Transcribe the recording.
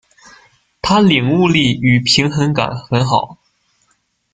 他領悟力與平衡感很好